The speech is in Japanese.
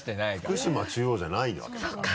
福島中央じゃないわけだから。